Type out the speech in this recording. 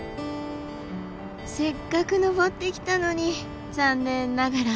せっかく登ってきたのに残念ながら雲だらけ。